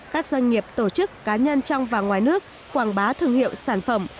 các doanh nghiệp tổ chức cá nhân trong và ngoài nước quảng bá thương hiệu sản phẩm